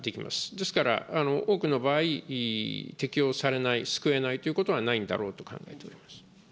ですから、多くの場合、適用されない、救えないということはないんだろうと考えております。